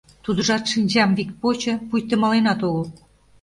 Тудыжат шинчам вик почо, пуйто маленат огыл.